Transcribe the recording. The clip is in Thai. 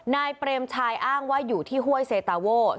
นายเปรมชัยอ้างว่าอยู่ที่ห้วยเซตาโว่